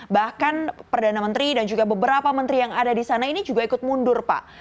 bahkan perdana menteri dan juga beberapa menteri yang ada di sana ini juga ikut mundur pak